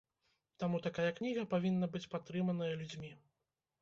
Таму такая кніга павінна быць падтрыманая людзьмі!